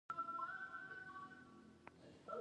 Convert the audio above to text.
آزاد تجارت مهم دی ځکه چې الوتکې اسانوي.